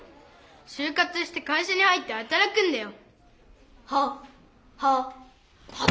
しゅう活して会社に入ってはたらくんだよ。